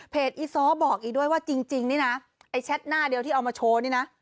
เพจอีซ้อบอกอีกด้วยว่าแชทหน้าเดี่ยวที่เอามาโชว์นี่นะ